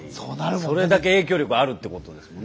それだけ影響力あるってことですもんね。